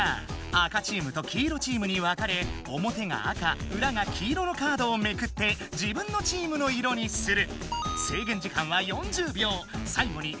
赤チームと黄色チームに分かれおもてが赤うらが黄色のカードをめくって自分のチームの色にする。